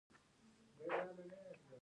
پښتانه دې خپله ژبه د سر په بیه هم وساتي.